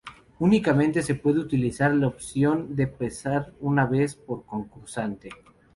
Únicamente se puede utilizar la opción de pasar una vez por concursante.